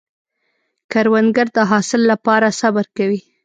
کروندګر د حاصل له پاره صبر کوي